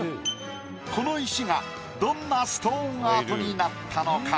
この石がどんなストーンアートになったのか？